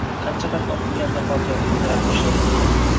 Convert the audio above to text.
qancha xatni o’qigan zahotiyoq burdalab tashlagan ekan?